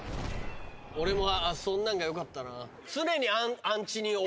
俺もそんなんがよかったな。